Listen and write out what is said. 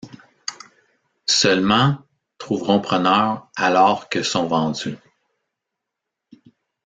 Seulement trouveront preneur, alors que sont vendus.